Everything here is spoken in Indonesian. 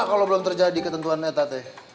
kalo belum terjadi ketentuan neta teh